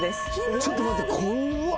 ちょっと待って怖っ。